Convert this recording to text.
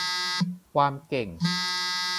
ความเก่ง